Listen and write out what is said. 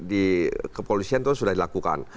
di kepolisian itu sudah dilakukan